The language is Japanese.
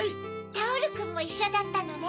タオルくんもいっしょだったのね。